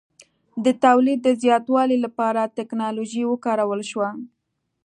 د تولید د زیاتوالي لپاره ټکنالوژي وکارول شوه.